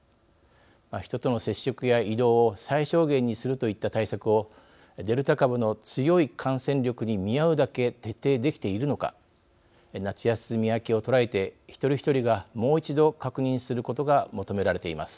人との接触や移動を最小限にするといった対策をデルタ株の強い感染力に見合うだけ徹底できているのか夏休み明けをとらえて一人一人がもう一度確認することが求められています。